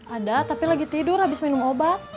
ada tapi lagi tidur habis minum obat